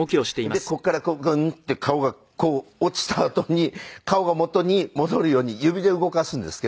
でここからグーンって顔がこう落ちたあとに顔が元に戻るように指で動かすんですけど。